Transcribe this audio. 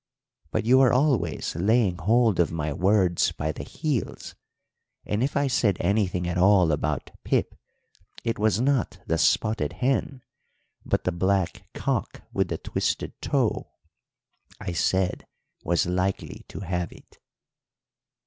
But you are always laying hold of my words by the heels; and if I said anything at all about pip, it was not the spotted hen, but the black cock with the twisted toe, I said was likely to have it.'